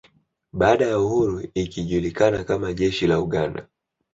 Baada ya uhuru ikijulikana kama jeshi la Uganda